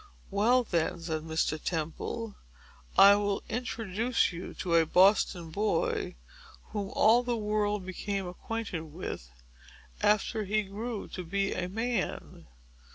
"Well, then," said Mr. Temple, "I will introduce you to a Boston boy, whom all the world became acquainted with, after he grew to be a man."